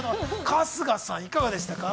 春日さん、いかがでしたか。